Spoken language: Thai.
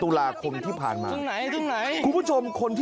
ประเภทประเภท